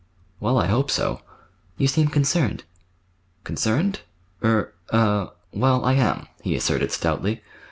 "Well, I hope so." "You seem concerned." "Concerned? Er—ah—well, I am," he asserted stoutly.